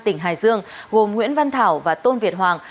tỉnh hải dương gồm nguyễn văn thảo và tôn việt hoàng